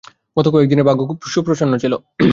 গত কয়েকদিন ধরে, ভাগ্য খুব সুপ্রসন্ন ছিল।